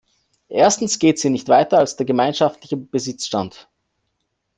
Erstens geht sie nicht weiter als der gemeinschaftliche Besitzstand.